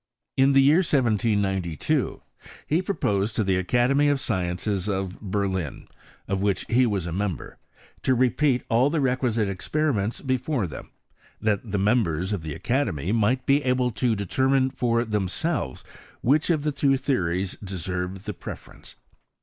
In the year 1792 he proposed to the Aca demy of Sciences of Berlin, of which he was t member, to repeat all the requisite experiments before them, that the members of the academy might be able to determine for themselves vhich w the two theories deserved the preference.